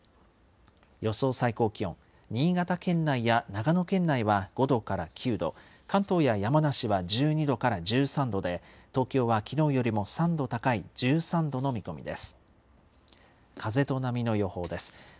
予想最高気温、新潟県内や長野県内は５度から９度、関東や山梨は１２度から１３度で、東京はきのうよりも３度高い１３度の見込みです。